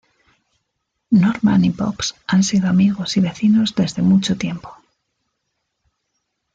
Norman y Pops han sido amigos y vecinos desde mucho tiempo.